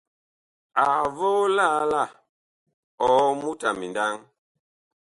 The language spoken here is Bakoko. Ag voo liala ɔɔ mut a mindaŋ.